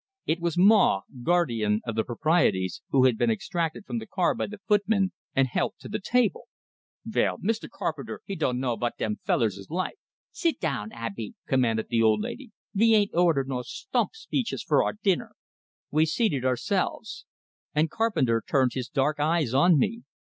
It was Maw, guardian of the proprieties, who had been extracted from the car by the footman, and helped to the table. "Vell, Mr. Carpenter, he dunno vot dem fellers is like " "Sit down, Abey!" commanded the old lady. "Ve ain't ordered no stump speeches fer our dinner." We seated ourselves. And Carpenter turned his dark eyes on me.